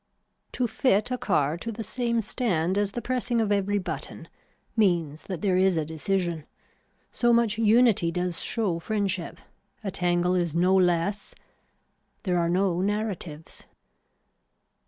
To fit a car to the same stand as the pressing of every button means that there is a decision. So much unity does show friendship. A tangle is no less. There are no narratives.